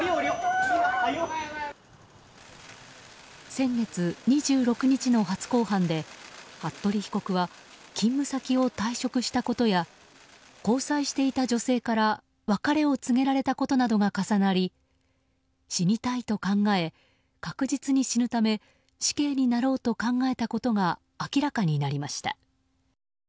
先月２６日の初公判で服部被告は勤務先を退職したことや交際していた女性から別れを告げられたことなどが重なり死にたいと考え確実に死ぬため死刑になろうと考えたことが明らかになりました。